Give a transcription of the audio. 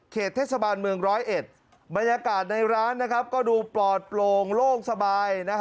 เขตเทศบาลเมือง๑๐๑บรรยากาศในร้านก็ดูปลอดโปรงโลกสบาย